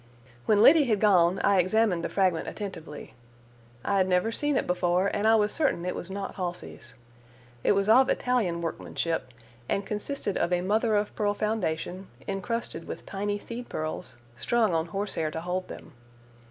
When Liddy had gone I examined the fragment attentively. I had never seen it before, and I was certain it was not Halsey's. It was of Italian workmanship, and consisted of a mother of pearl foundation, encrusted with tiny seed pearls, strung on horsehair to hold them.